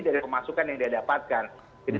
dari pemasukan yang dia dapatkan jadi